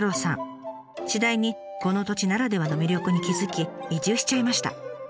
次第にこの土地ならではの魅力に気付き移住しちゃいました。